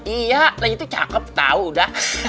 iya lagi tuh cakep tahu udah